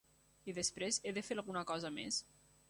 I després, he de fer alguna cosa més?